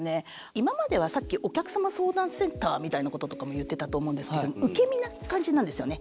今まではさっきお客様相談センターみたいなこととかも言ってたと思うんですけど受け身な感じなんですよね。